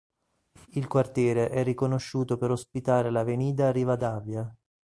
Il quartiere è riconosciuto per ospitare l'Avenida Rivadavia.